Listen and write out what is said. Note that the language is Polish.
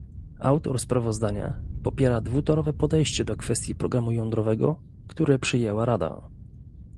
Autor sprawozdania popiera dwutorowe podejście do kwestii programu jądrowego, które przyjęła Rada